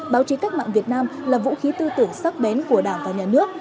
báo chí cách mạng việt nam là vũ khí tư tưởng sắc bén của đảng và nhà nước